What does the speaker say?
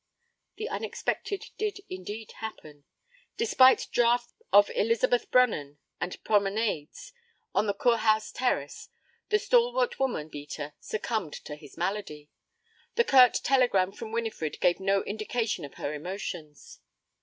The unexpected did indeed happen. Despite draughts of Elizabeth brunnen and promenades on the Kurhaus terrace, the stalwart woman beater succumbed to his malady. The curt telegram from Winifred gave no indication of her emotions.